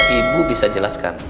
apakah ibu bisa jelaskan